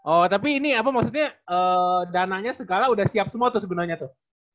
oh tapi ini apa maksudnya dananya segala udah siap semua tuh sebenarnya tuh